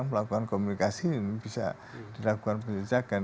melakukan komunikasi ini bisa dilakukan penelitian